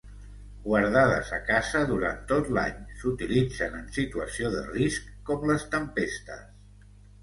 Guardades a casa durant tot l'any, s'utilitzen en situació de risc, com les tempestes.